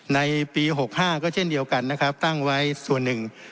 ในปี๖๕ก็เช่นเดียวกันนะครับตั้งไว้ส่วนหนึ่ง